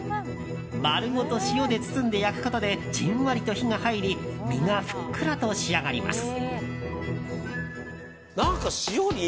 丸ごと塩で包んで焼くことでじんわりと火が入り身がふっくらと仕上がります。